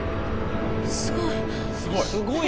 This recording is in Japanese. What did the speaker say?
すごい。